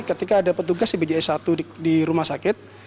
ketika ada petugas di bjs satu di rumah sakit